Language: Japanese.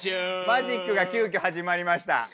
マジックが急きょ始まりました。